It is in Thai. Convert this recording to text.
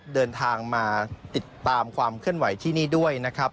เดินทางมาติดตามความขึ้นไหวที่นี่ด้วย